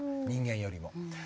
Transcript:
人間よりも。